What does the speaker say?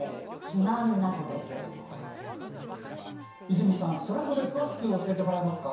泉さんそれぞれ詳しく教えてもらえますか？